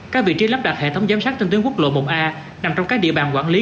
các vị trí lắp đặt hệ thống giám sát trên tuyến quốc lộ một a nằm trong các địa bàn quản lý